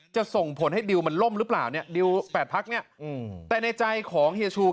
ส่งผลให้ดิวมันล่มหรือเปล่าเนี่ยดิว๘พักเนี่ยแต่ในใจของเฮียชู